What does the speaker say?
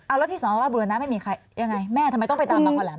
แล้วที่สนราชบุรณะไม่มีใครยังไงแม่ทำไมต้องไปตามมาคอแหลม